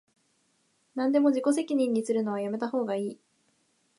なんでも自己責任にするのはやめたほうがいい